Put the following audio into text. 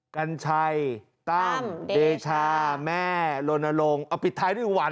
กัญชัยตั้มเดชาแม่ลนลงเอาปิดท้ายด้วยหวาน